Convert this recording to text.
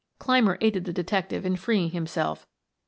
Clymer aided the detective in freeing himself.